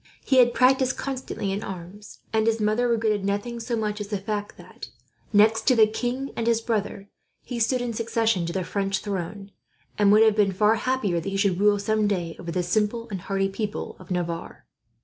He had practised constantly in arms, and his mother regretted nothing so much as the fact that, next to the king and his brothers, he stood in succession to the French throne; and would have been far happier that he should rule, some day, over the simple and hardy people of Navarre.